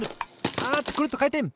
あっとくるっとかいてん！